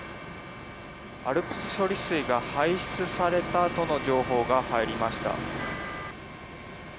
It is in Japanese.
ＡＬＰＳ処理水が排出されたとの情報が入りました。